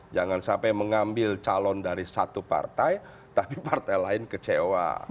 jangan sampai mengambil calon dari satu partai tapi partai lain kecewa